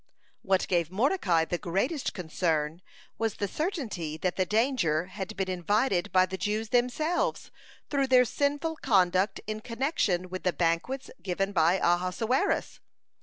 What gave Mordecai the greatest concern, was the certainty that the danger had been invited by the Jews themselves, through their sinful conduct in connection with the banquets given by Ahasuerus.